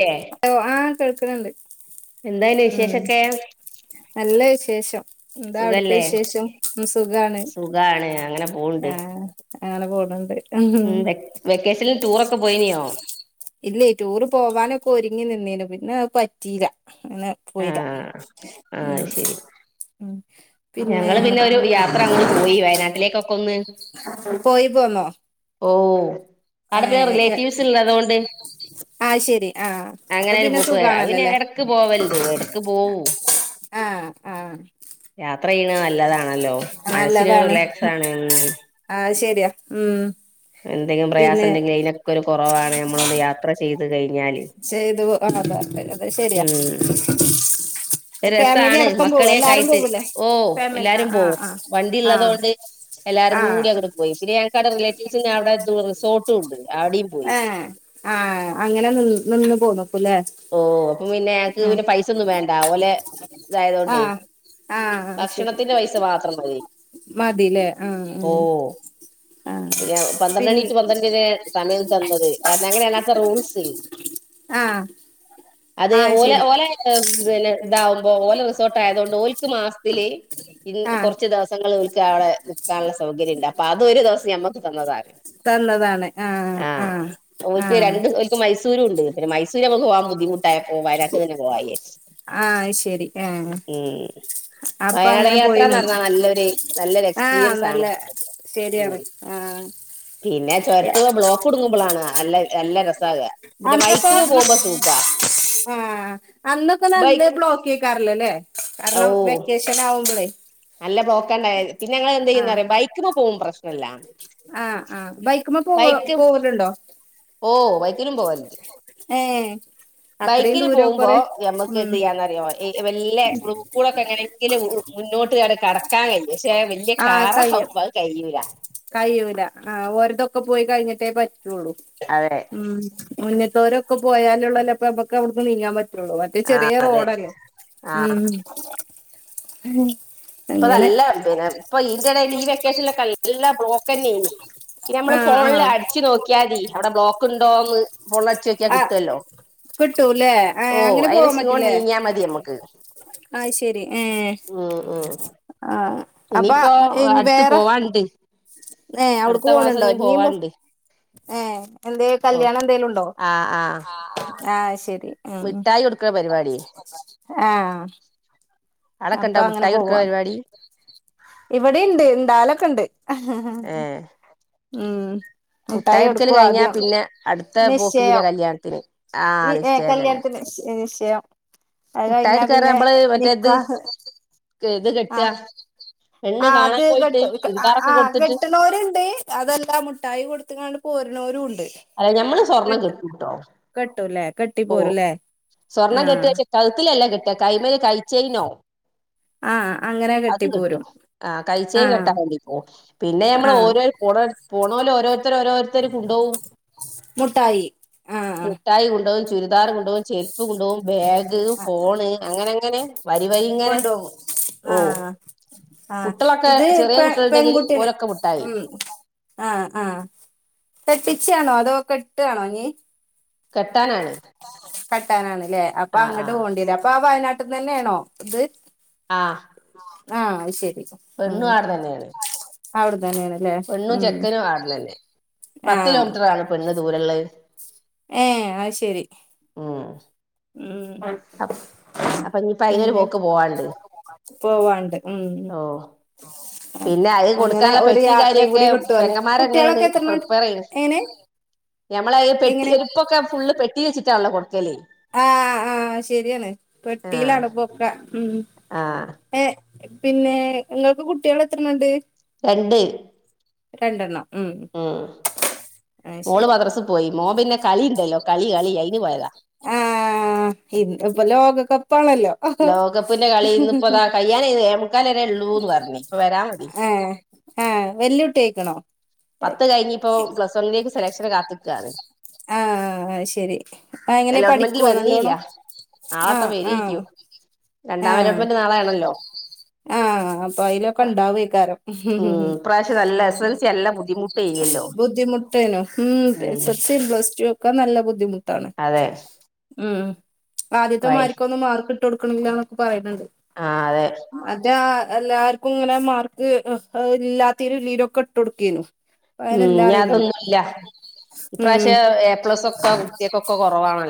ല്ലേ ഓ ആഹ് കേക്കണണ്ട് എന്താ അയിന് വിശേഷൊക്കെ നല്ല വിശേഷം എന്താ അവിടുത്തെ സുഖല്ലേ വിശേഷം സുഖാണ് സുഖാണ് അങ്ങനെ പോവ്ണ്ട് ആഹ് അങ്ങനെ പോണണ്ട് ഉം വെക് വെക്കേഷനിൽ ടൂറൊക്കെ പോയിനിയോ ഇല്ല ഈ ടൂർ പോവാനൊക്കെ ഒരുങ്ങി നിന്നേനു പിന്നെ അത് പറ്റിയില്ല അന്ന്- പോയില്ലാ ആഹ് ആഹ് ഉം ശരി ഉം പിന്നേ ഞങ്ങള് പിന്നെ ഒരു യാത്ര അങ്ങോട്ട് പോയി വയനാട്ടിലേക്കൊക്കെ ഒന്ന് പോയി പോന്നോ ഓ അവിടെ പിന്നെ റിലേറ്റീവ്സ് ഇള്ളതുകൊണ്ട് ആയ് ശരി ആഹ് അപ്പൊ അങ്ങനെ ഒരു പിന്നെ പോക്ക് വേണം അവന് സുഖാണല്ലോല്ലേ എടക്ക് പോവലുണ്ട് എടക്ക് പോവും ആഹ് ആഹ് യാത്ര ചെയ്യണത് നല്ലതാണ് ണല്ലോ മനസ്സിന് ഒരു നല്ലതാണ് റിലാക്സാണ് ആഹ് ശരിയാ ഉം എന്തെങ്കിലും പിന്നെ പ്രയാസയൊണ്ടെങ്കില് അയിനൊക്കെ ഒരു കൊറവാണ് നമ്മളൊന്ന് യാത്ര ചെയ്ത് കഴിഞ്ഞാൽ- ചെയ്തു അങ്ങനത്തെ അത് ശരിയാ ഉം ഫാമിലി രസാണ് അടക്കം പോവും എല്ലാരും മക്കളേക്കായിട്ട് പോവൂലേ ഓ ഫാമിലി ആ എല്ലാരും ആ പോവും വണ്ടി ആ ഉള്ളതോണ്ട് എല്ലാരും ആ ആ കൂടി അങ്ങട് പോയി പിന്നെ ഞങ്ങക്കവിടെ റിലേറ്റീവ്സിന്റെ അവിടെ റിസോർട്ടും ഉണ്ട് അവിടെയും പോയി ആഹ് അങ്ങനെ നിന്ന് നിന്ന് പോന്നൂ അപ്പൊ ഇല്ലേ ഓ അപ്പം പിന്നെ ഞങ്ങക്ക് പിന്നെ പൈസ ഒന്നും വേണ്ട ഓലെ ഇത് ആ ആയതോണ്ടേ ആ ഭക്ഷണത്തിന്റെ പൈസ മാത്രം മതി കിട്ടിലെ ആഹ് ഓ ആഹ് പിന്നെ പന്ത്രണ്ട്മണി റ്റു പന്ത്രണ്ട്മണിയരെ സമയം തന്നത് കാരണം അങ്ങനേണ് അവിട്ത്ത റൂൾസ് ആഹ് അത് ഓലെ ഓലെ പിന്നെ ഇതാവുമ്പോ ഓലെ റിസോർട്ട് ആയതോണ്ട് ഓൽക്ക് മാസത്തില് ഇൻ ആ കൊറച്ച് ദിവസങ്ങള് ഓൽക്ക് അവിടെ നിക്കാനുള്ള സൗകര്യംണ്ട് അപ്പൊ അത് ഒരു ദിവസം ഞമ്മക്ക് തന്നതാണ് തന്നതാണ് ആ ആ ആഹ് ആ ഓൽക്ക് രണ്ട് ഓൽക്ക് മൈസൂരുണ്ട് പിന്നെ മൈസൂര് നമുക്ക് പോവാൻ ബു ബുദ്ധിമുട്ടായപ്പോ വയനാട്ട് തന്നെ പോവാ വിയാരിച്ച് ആ ശരി ആ ഉം അപ്പൊ വയനാട് അങ്ങനെ പോയി യാത്രാന്ന് നിന്ന് പറഞ്ഞാ നല്ലൊരു നല്ലൊരു എക്സ്പീരിയൻസാണ് ഉം ആഹ് പിന്നെ ചൊരത്ത്മ്മെ ബ്ലോക്ക് കുടുങ്ങുമ്പളാണ് നല്ല നല്ല രസാവുക പിന്നെ ബൈക്കുമ്മേ എന്തൊക്കെ പോവുമ്പം സുഖാ ആഹ് അന്നൊക്കെ നല്ല ബൈക്ക് ബ്ലോക്ക് എയ്ക്കാരല്ലല്ലേ ഓ കാരണം വെക്കേഷനാവുമ്പളേ നല്ല ബ്ലോക്കാണ്ടായാൽ പിന്നെ ഞങ്ങള് ആഹ് എന്തെയ്യുന്നറിയാ ബൈക്ക്മ്മം പോവുമ്പം പ്രശ്നല്ല ആഹ് ആഹ് ബൈക്ക്മ്മ പോവ പോവലുണ്ടോ? ഓഹ് ബൈക്കിലും പോവാല്ണ്ട് ഏഹ് അത്രയും ബൈക്കിന് ദൂരം പോവുമ്പോ കൊറെ നമ്മക്ക് ഉം എന്ത് ചെയ്യാന്നറിയോ വെല്ലെ എടക്കൂടെക്കെ എങ്ങനെ ങ്കിലും മുന്നോട്ട്ക്കാട്ട് കടക്കാൻ കഴിയും പക്ഷെ അത് വല്ല്യ കാറാവുമ്പോ അത് കഴിയൂല കഴിഴൂല ആഹ് ഓര്തൊക്കെ പോയി കഴിഞ്ഞിട്ടേ പറ്റൊള്ളൂ അതെ ഉം മുന്ന്ത്തോലൊക്കെ പോയാല് ഒള്ളല്ലോ ഇപ്പ നമ്മക്ക് അവിടുന്ന് നിങ്ങാൻ പറ്റു വൊള്ളു മറ്റെ ചെറിയ അതെ റോഡല്ലേ? ആഹ് ഉം ഇപ്പ അങ്ങനെ നല്ല പിന്നെ ഇപ്പെ ഈന്റെടേല് ഈ വെക്കേഷൻലൊക്കെ നല്ല ബ്ലോക്ക് എന്നേനി പിന്നെ നമ്മള് ആഹ് ഫോണില് ആഹ് അടിച്ചു നോക്കിയാതി അവിടെ ബ്ലോക്ക് ഇണ്ടോന്ന് ഫോണില് അടിച്ച് നോക്കിയ ആഹ് കിട്ടുവല്ലോ? കിട്ടൂല്ലേ? ഏഹേ ഓ അങ്ങനെ പോവാൻ അയിനച്ചിങ്ങോണ്ട് പറ്റൂലേ? നീങ്ങിയാ മതി നമ്മക്ക് അഹ് ശരി ഏഹേ ഉം ഉം ആഹ് അപ്പയിനി വേറെ ഇണ്ട് ഏഹേ അവിട്ക്ക് പോണ് ണ്ടോ ഇഞ്ഞീം പോ ഏഹേ എന്തെ ഓ കല്യാണം എന്തേലുണ്ടോ? ആഹ് ആഹ് അഹ് ശരി ഉം മിഠായി കൊടുക്കണ പരിപാടിയെ ആഹ് അപ്പൊ അവിടൊക്കെണ്ടോ അങ്ങനെ മുട്ടായി കൊടുക്കണ പോവാ പരിപാടി ഇവിടിംണ്ട് ഇണ്ടാവലൊക്കെണ്ട് ഏഹ് ഉം മുട്ടായി കൊടുക്കല് കൊടുക്കും കഴിഞ്ഞാ ആദ്യം പിന്നെ അടുത്ത പോക്ക് പിന്നെ നിശ്ചയം കല്യാണത്തിന് ആഹ് ഏഹ് നിശ്ചയം തന്നെ കല്യാണത്തിന് നിശ്ചയം അത് മുട്ടായി കഴിഞ്ഞാ എടുക്കാന്ന് പറഞ്ഞാ പിന്നെ നമ്മള് മറ്റേത് നിക്കാഹ് ഇത് കെട്ടാ ആഹ് പെണ്ണ് ആഹ് അത് കാണാൻ പോയിട്ട് ഇബട്ത്തെ ചുരിദാറൊക്കെ ആഹ് കൊടുത്തിട്ട് കെട്ട ണോരുണ്ട് അതെല്ലാ മുട്ടായി കൊടുത്ത്ങ്ങാണ്ട് പോരുണോരുംണ്ട് അല്ല ഞമ്മള് സ്വർണം കെട്ടുട്ടോ കെട്ടൂല്ലേ ഓഹ് കെട്ടിപ്പോരൂല്ലേ സ്വർണം ആഹ് കെട്ടെച്ച കഴുത്തിലെല്ല കെട്ട കൈമല് കയ്ചെയിനോ ആഹ് അങ്ങനെ കെട്ടി പോരും ആഹ് കഴിച്ചേൻ കെട്ടാ വേണ്ടി പോവും പിന്നെ നമ്മള് ആഹ് ഓരോ പോ പോണോല് ഓരോരുത്തര് ഓരോരുത്തര് കൊണ്ടോകും മുട്ടായി ആഹ് മുട്ടായി കുണ്ടോവും ചുരിദാറ് കുണ്ടോവും ചെര്പ്പ് കു കുണ്ടോവും ബാഗ്, ആഹ് ഫോണ് അങ്ങനങ്ങനെ വരി വരി ഇങ്ങനെ കൊണ്ടോവും ഓ ആഹ് ആഹ് കുട്ടികളൊക്കെ ഇത് ചെറിയ പെ കുട്ടികളുണ്ടെങ്കിൽ പെൺകുട്ടിയള് ഓലൊക്കെ മുട്ടായി ഉം ആഹ് ആഹ് കെട്ടിച്ചാണോ അതോ കെട്ടാണോ ഇഞ് കെട്ടാനാണ് കെട്ടാനാണ് ലെ അപ്പ ആഹ് അങ്ങട്ട് ആഹ് പോണ്ട്യ ലെ അപ്പ ആ വയനാട്ടിന്നെണോ ഇത് ആഹ് ആ അയ് ശരി പെണ്ണു ആട്ന്നന്നെണ് അവ്ട്ന്നന്നെണ് ലെ പെണ്ണും ചെക്കനും ആട്ന്നന്നെ പത്ത് ആഹ് കിലോമീറ്ററ ആണ് പെണ്ണ് ദൂരള്ള ഏ അത് ശെരി ഉം അപ് അപ്പ ഇഞ്ഞിപ്പ അയ്നോര് പിന്നെ പോക്ക് പോവാണ്ട് പോവാണ്ട് ഉം ഓ പിന്നെ അത് അങ്ങനെ കൊട്ക്കാള്ള ഒരു പെട്ടി യാത്രയും കാര്യക്കെ കൂടി കിട്ടുവല്ലോ പെങ്ങന്മാരന്നെണ് കുട്ടികളൊക്കെ എത്രണ്ണണ്ട് പ്രിപ്പയർയ്യ എങ്ങനെ ഞമ്മള അത് പെട്ടി എങ്ങനെ എരി ഇപ്പൊക്കെ ഫുള്ള് പെട്ടി വെച്ചിട്ടാണല്ലോ കൊടുക്കല് ആ ആഹ് ശരിയാണ് ആഹ് പെട്ടിലാണ് ഇപ്പ ഒക്ക ഉം ആഹ് ഏ പിന്നെ ഇങ്ങക്ക് കുട്ടിയള് എത്രണ്ണണ്ട് രണ്ട് രണ്ടെണ്ണം ഉം അത് മോള് ശരി മദ്രസ് പോയി മോം പിന്നെ കളി ഇണ്ടല്ലോ കളി കളി അയിന് പോയതാ ആഹ് ഇ ഇപ്പ ലോകകപ്പാണല്ലോ ലോകപ്പ്ന്റെ കളി ഇന്ന്‌ ഇപ്പതാ കയ്യാനായ്ന്ന് എ മുക്കാല് വരെ ഒള്ളൂ ന്ന് പർഞ്ഞി ഇപ്പ വരാം മതി ആഹ് ആഹ് വെല്ല്യുട്ടിയായിക്കണോ പത്ത് കഴിഞ്ഞി ഇപ്പോ പ്ലസ് വണ്ണിലേക്ക് സെലക്ഷന് കാത്ത് ആഹ് അത് ശെരി അത് എങ്ങനെ പഠിക്കോ നല്ലോണം ആളട്ട ആഹ് ആഹ് വെരെയ്‌ക്യു രണ്ടാമലോട്ട്മെന്റ് നാളൊണല്ലോ ആ അപ്പ അയിലൊക്കെ ഇണ്ടാവയ്ക്കാരം ഉം ഇപ്രാവശ്യം നല്ല എസെൽസി നല്ല ബുദ്ധിമുട്ടേയ്നല്ലോ ബുദ്ധിമുട്ടേനു ഉം എസൽസി പ്ലസ്റ്റു ഒക്ക നല്ല ബുദ്ധിമുട്ടാണ് അതെ ഉം ആദ്യത്തെ പയ് മാരിക്കൊന്നും മാർക്ക് ഇട്ട് കൊട്ക്ക്ണില്ലാന്നൊക്കെ പറിണ് ണ്ട് ആ അതെ മറ്റേ ആ എല്ലാര്ക്കും ഇങ്ങനെ മാർക്ക് ഇല്ലാത്തയ്ന് ഇല്ലീനു ഒക്കെ ഇട്ട് കൊട്ക്കേനു ഇപ്പ അങ്ങനെ ഉം ഇനി ഇല്ലാറിണ് ണ്ട് അതൊന്നുല്ല ഉം ഒക്ക കോറവാണ്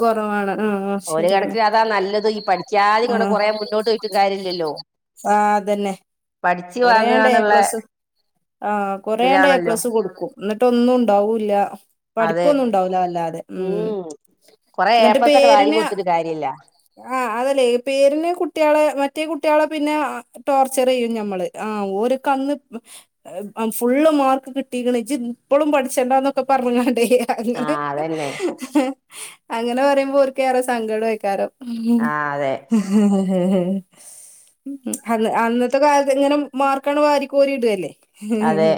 കൊറവാണ് ആഹ് ഒര് ശരിയാണ്. കണക്കിന് അതാ നല്ലത് ഈ പഠിക്ക്യാതിം ഇങ്ങട്ട് ആഹ് കൊറെ മുന്നോട്ട് പോയിട്ടും കാര്യല്ലല്ലോ ആ അതന്നെ പഠിച്ച് കൊറേണ്ട് എ വാങ്ങാന്നുള്ള പ്ലസ് ആ കൊറെണ്ട് എ ഇതിലാണല്ലോ പ്ലസ് കൊട്ക്കും ന്നട്ട് ഒന്നു ഇണ്ടാവുല്ല അതെ പഠിപ്പൊന്നും ഇണ്ടാവുല അല്ലാതെ ഉം കൊറെ എ ന്നട്ട് പ്ലസ് ആട്ട് വാരി പേര്ന് കൊടുത്തിട്ട് കാര്യല്ല ആ അതല്ലേ പേര്ന് കുട്ടിയളെ മറ്റേ കുട്ടിയളെ പിന്നെ ടോർച്ചറയ്യും ഞമ്മള് ആ ഓര്ക്ക് അന്ന് ഫുള്ള് മാർക്ക് കിട്ടീക്ക്ണ് ഇജ്ജ് ഇപ്പളും പഠിച്ചണ്ടാന്നൊക്ക പർഞാണ്ടേ അങ്ങനെ ആഹ് അതന്നെ അങ്ങനെ പറിമ്പ ഓര്ക്ക് ഏറെ സങ്കടയ്ക്കാരം ആഹ് അതെ അന്ന് അന്നത്തെ കാൽത്ത് ഇങ്ങനം മാർക്കാണ്ട് വാരി കോരി ഇടല്ലേ അതെ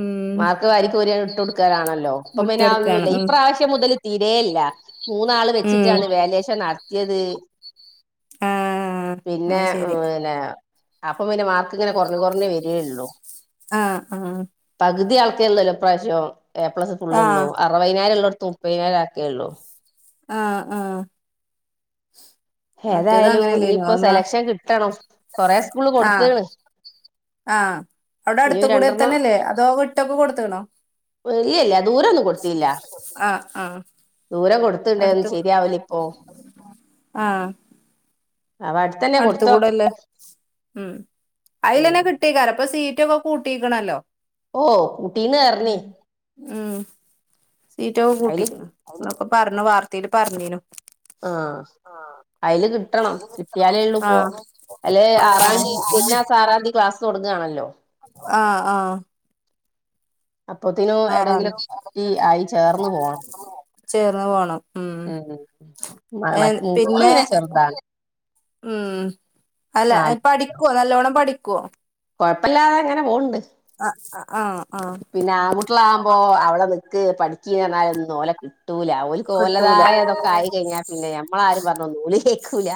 ഉം മാർക്ക് വാരിക്കോരി ആണ്ട് ഇട്ടൊട്ക്കലാണല്ലോ. പ്പം മുട്ടടുക്കാണ് പിന്നഅഒന്നുമല്ല ഉം ഇപ്രാവ ശ്യം മുതല് തീരേ ഇല്ല മൂന്നാള് ഉം വെച്ചിട്ടാണ് വേല്യേഷൻ നടത്തിയത് ആഹ് പിന്നെ ആഹ് ശരി പിനെ അപ്പ പിന്നെ മാർ- ക്ക്ങ്ങനെ കൊർഞ് കൊർഞ് വരിയേ ള്ളു ആഹ് ആഹ് പക് തി ആൾക്കെഇള്ളല്ലേ ഇപ്രാവശ്യം എ പ്ലസ് ഫുള്ള്ഒള്ളൂ ആഹ് അറുവൈനാരംള്ളോട്ത് മുപ്പയ്നായിരാക്കേ ള്ളൂ ആഹ് ആഹ് മറ്റേത് ഏതായാലും അങ്ങനെയല്ലേനോ ഇനിപ്പോ അതൊന്ന് സെലക്ഷൻ കിട്ടണം കൊറേസ്കൂൾള് ആഹ് കൊടുത്ത്ണ് ആഹ് ഇനി അവിടട്ത്തും രണ്ടെണ്ണം കൂടെതന്നെല്ലേ അതോ വിട്ടൊക്കെ കൊട്ത്ത്‌ണോ ഇല്ല്യല്ല്യ ദൂരൊന്നും കൊട്ത്തില്ല ദൂരെ കൊട് അട്തൊക് ആഹ് അവാട് അട്ത്ത്‌കൂടല്ലേ ഉം ഉം അയ്ലന്നെ കിട് - ട്ടേക്കാരം. പ്പ സീറ്റൊക്കെ കൂട്ടീക്ക്ണല്ലോ ഓഹ് കൂട്ടീണ് അർഞ്ഞി ഉം സീറ്റൊക്കെ കൂട്ടി, അഹ് പ്പൊ പർഞു വാർത്തേല് പർഞ്ഞീനു ആഹ് അയ്ല് കിട്ടണം കിട്ടിയാലേ ഉള്ളൂപ്പോ ആഹ് അല്ലെ ആറാം തീ വെര്നാസാറാം തി ക്ലാസ് തൊട്ങ്ങാണല്ലോ ആഹ് ആഹ് അപ്പത്തിനും ആറാംതി എവിടെങ്കിലുമൊക്കെ കിട്ടി ആയി ചേർന്ന് പോണം ചേർന്ന പോണം ഉം എൻ മോള് പിന്നെ ചെറുതാണ് ഉം അല്ല നാല് പഠിക്കുവോ നല്ലോണം പഠിക്കുവോ? കൊഴപ്പല്ലാതങ്ങനെ പോവ്ണ്ട് അഹ് അ ആഹ് ആഹ് പിന്നാൺകുട്ട്യളാവുമ്പോ അവട നിക്ക് പഠിക്ക്ന്നർഞാലൊന്നും ഓലെ കിട്ടൂല കിട്ടൂല ഓൽക്കോലതായ തൊക്കെ ആയി കഴിഞ്ഞാപിന്നെ ഞമ്മളാരും പർഞൊന്നോല് കേക്കൂല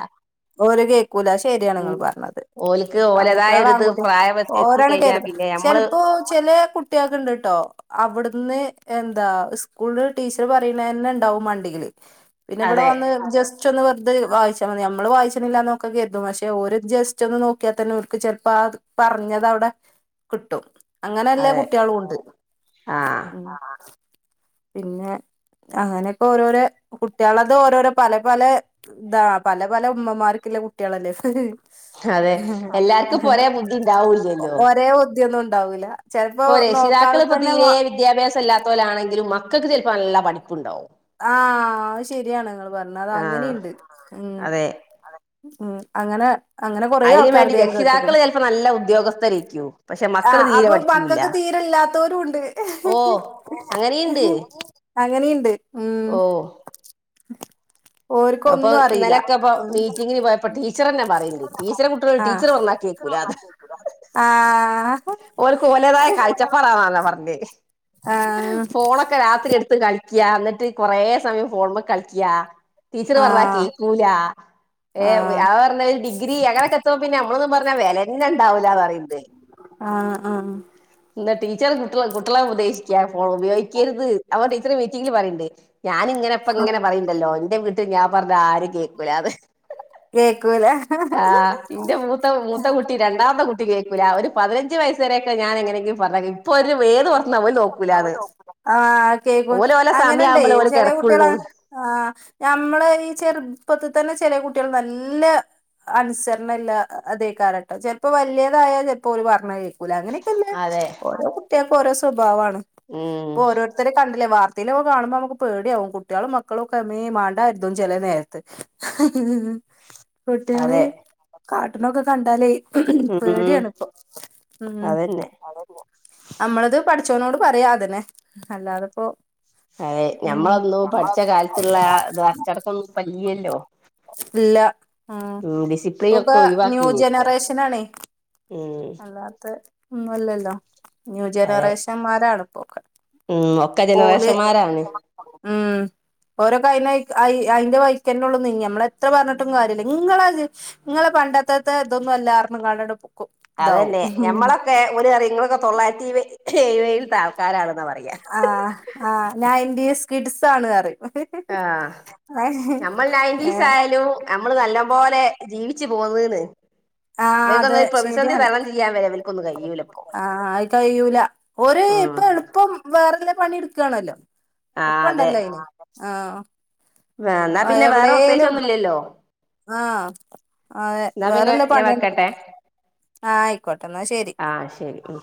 ഓര് കേക്കൂല, അഹ് ശരിയാണ് ഉം ങ്ങള് പർഞ്ഞത് ഓല്ക്ക് ഓലതായ ഒരിത് ആൺകുട്ട്യാളാൺകുട്ടി പ്രായം ഓരണ് എത്തിക്കഴിഞ്ഞാ കരുതണം, പിന്നെ ഞമ്മള് ചെൽപ്പോ ചെലേ കു കുട്ട്യാക്ക്ണ്ട്ട്ടോ അവിടുന്ന് എന്താ സ്കൂൾല് ടീച്ചർ പറിണേന്നെ ണ്ടാവും മണ്ടയില്. പിന്നെവടെ അതെ വന്ന് ജസ്- ച്ചൊന്ന് വെറുതെ വായിച്ചാൽതി നമ്മള്റ്റൊന്ന് വെർതെ വായിച്ച മതി. ഞമ്മള് വായ്ച്ചിനില്ലന്നൊക്കെ കെര്തും. പക്ഷേ ഓല് ജസ്റ്റൊന്ന് നോക്കിയാതന്നെ ഓൽക്ക് ചെൽപ്പാ പറഞ്ഞതവ്ടെ ക്ട്ടും. അങ്ങനെല്ല അതെ കുട്ട്യാളുണ്ട് ആഹ് പിന്നെ അങ്ങനെ ഓരോരെ കുട്ട്യാളത് ഓരോരോ പല പലേ താ പല പല ഉമ്മമാര്ക്ക്ല്ല കുട്ട്യേളല്ലേ അതെ എല്ലാർക്കും ഇപ്പൊ ഒരേ ബുദ്ധി ഉണ്ടാവൂല്ലല്ലോ ഒരേ ബുദ്ധിയൊന്നുണ്ടാവൂല ചെൽപ്പോ നോക്കാതെ തന്നെ വാ ല്ലാത്തോലാണെങ്കിലും മക്കക്ക് ചെൽപ്പ നല്ല പഠിപ്പ്‌ണ്ടാവും ആഹ് അഹ് ശെരിയാണ്ങ്ങൾ പർഞ്ഞെ ആഹ് അതങ്ങനിണ്ട് ഉം അതെ ഉം അങ്ങനെ അങ്ങനെ കൊറേ ആൾക്കാര്ത് ഞാൻ കേട്ട്ക്ക്ണ് ക്കെ നല്ല ഉദ്യോഗസ്ഥരേക്യൂ ആഹ് അപ്പൊ മക്കക്ക് തീരെല്ലാത്തോരു ണ്ട് ഓഹ് അങ്ങനെയുണ്ട് അങ്ങനീണ്ട് ഉം ഓഹ് അപ്പൊ ഓര്ക്കൊന്നും അറിയില്ല ഇന്നലൊക്കെപ്പ ഉം മീറ്റിങ്ങിന് പോയപ്പോ ടീച്ചറന്നെ പറിണ്ട്. ടീച്ചറെ കുട്ട്യളെ ആഹ് ടീച്ചർ വന്നാക്കിയ ഉലാത ആഹ് ഒൽക്ക് ഓലതായ കാഴ്ചപ്പാടാണന്നാ പർഞ്ഞേ ആഹ് ഫോണൊക്കെ രാത്രി ഇട്ത്ത് കളിക്ക എന്നിട്ട് കൊറേ സമയം ഫോണ്മ കളിക്ക ടീച്ചറ് പർഞാ ആഹ് കേക്കൂലാ ഏഹ് ആഹ് ആ പർഞ്ഞ ഡിഗ്രി അങ്ങനൊക്കെ എത്തുമ്പ പിന്നെ നമ്മളൊന്നും പറഞ്ഞാ വെലന്നെ ഉണ്ടാവൂലാന്നറിയ്ണ്ട് ആഹ് ആഹ് ഇന്ന് ടീച്ചർ കുട്ട്യള കുട്ട്യള ഉപദേശിക്കാ ഫോൺ ഉപയോഗിക്കരുത് അപ്പ ടീച്ചർ മീറ്റിങ്ങില് പറിണ്ട് ഞാന് ഇങ്ങനെപ്പ ഇങ്ങനെ പറിണ്ടല്ലോ എന്റെ വീട്ടിൽ ഞാൻ പർഞ്ഞ ആരും കേക്കൂലാന്ന് കേക്കൂല ആഹ് ഇന്റെ മൂത്ത മൂത്ത കൂട്ടി ര ണ്ടാമത്തെ കുട്ടി കേക്കൂല ഒരു പതിനഞ്ച് വയസ് വരൊക്കെ ഞാൻ എങ്ങനെങ്കിലും പർഞ്ഞ കേക്കും ഇപ്പ ഒരു ഏത് പർഞ്ഞാ പോല് നോ ആഹ് കേക്കും ഓലെ സമയം അങ്ങനെണ്ടേ ആവുമ്പളേ ഓല് ചെലേ കിടക്കുള്ളൂ കുട്ടികളാങ്ങനെ ആഹ് ഞമ്മള ഈ ചെർപ്പത്ത് തന്നെ ചെലേ കുട്ടിയാൾ നല്ല അനുസരണല്ല അതേക്കാരട്ടോ ചെൽപ്പോ വലിയതായ ചെൽപ്പോ ഓല് പർഞ്ഞ കേക്കൂല അങ്ങനെ അതെ ട്ട്യാക്ക് ഓരോ സ്വഭാവാണ് ഉം ഇപ്പൊ ഓരോ ര്ത്തരെ കണ്ട്ല്ലേ വാർത്തീലൊക്കെ കാണുമ്പോ അമുക്ക് പേടിയാവും കുട്ടിയാളും മക്കളും ഒക്കെ മേ മാണ്ടാര്തും ചെലേ നേരത്ത് കുട്ടിയാള് അതെ കാട്ട്ണൊക്കെ കണ്ടാലേ ഉം പേടിയാണ് ഇപ്പൊ ഉം അതന്നെ അമ്മൾത് പട്ച്ചോനോട് പറയാ അതന്നെ അല്ലാതപ്പോ അതെ ഞമ്മളൊന്നു പഠിച്ച കാലത്തുള്ള ഇത് അച്ചടക്കൊന്നും ഇപ്പല്ല്യല്ലോ ഇല്ല ഉം ഡിസിപ്ലിൻ ഒക്കെ ഇപ്പൊക്കെ ന്യൂ ഒഴിവാക്കില്ലേ ഇപ്പൊ ജനറേഷനാണേ ഉം അല്ലാത്ത ഒന്നും അല്ലല്ലോ ന്യൂ അതെ ജനറേഷൻ മാ പ്പൊ ഒക്കെ ഉം ഒക്കെ ഓല് ജനറേഷന്മാരാണ് ഉം ഓരോ കയി [unintelligible] അയിന്റെ വൈക്കന്നെ ഉള്ളൂ നീങ്ങേ നമ്മൾ എത്ര പർഞ്ഞിട്ടും കാര്യല്ല ഇങ്ങളത് ഇങ്ങളെ പണ്ടത്തത്തെ ഇതൊന്നും അല്ല അർഞ്കാണ്ട്ങ്ട്ട് അതല്ലെ ഞമ്മളൊക്കെ ഒര് അറിം ഇങ്ങളൊക്കെ തൊള്ളായ്ര്ത്തി ഇര് വ എയ് വേത്തേ ആൾക്കാരാണെന്ന പറ പറഞ്ഞയുന്നത് ആഹ് ആഹ് നയൻ്റീസ് കിഡ്സ് ആണ് പറയും. ആഹ് ഏഹ് നമ്മൾ നയൻ്റീസ് ആയാലും നമ്മൾ നല്ല പോലെ ജീവിച്ച് പോന്ന് ന്ന് ആഹ് അതെ ശെരിയാണ് ചെയ്യാൻ വരെ ഇവർക്കൊന്നും കഴിയൂല ഇപ്പൊ ആഹ് ആയി കയ്യൂല്ല ഒരു ഇപ്പൊ ഉം എളുപ്പം വേറെല്ല പണി ഇട്ക്കാണല്ലോ ആഹ് എള്പ്പണ്ടല്ലോ അയിഞ് ആഹ് എന്ന ആഹ് പിന്നെ വേറെ പ്രത്യേയ്ച്ച് എവിടേലും ഒന്നും ഇല്ലല്ലോ ആഹ് അതെ പിന്നെ വേറെല്ല ഞാൻ പണിയൺ വെക്കട്ടെ ഇട്ക്ക ആഹ് അയ്ക്കോട്ടെ ന്നാ ശെരി ആഹ് ശരി ഉം